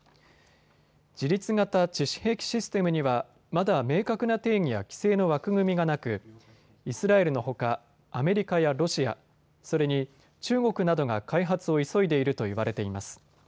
自律型致死兵器システムにはまだ明確な定義や規制の枠組みがなくイスラエルのほかアメリカやロシア、それに、中国などが開発を急いでいるといわれています。